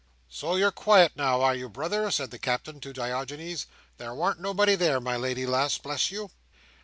"So you're quiet now, are you, brother?" said the Captain to Diogenes. "There warn't nobody there, my lady lass, bless you!"